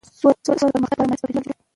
سوله د پرمختګ لپاره مناسب چاپېریال جوړوي